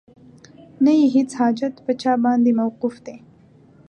نه یې هیڅ حاجت په چا باندې موقوف دی